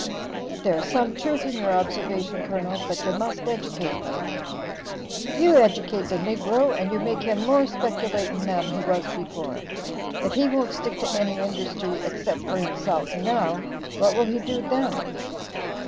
"There is some truth in your observation, Colonel, but you must educate them." "You educate the niggro and you make him more speculating than he was before. If he won't stick to any industry except for himself now, what will he do then?"